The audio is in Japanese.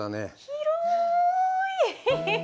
広い！